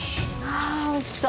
あおいしそう。